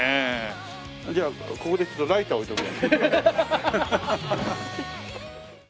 じゃあここにちょっとライター置いておこう。